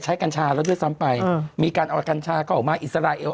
กัญชาแล้วด้วยซ้ำไปมีการเอากัญชาก็ออกมาอิสราเอล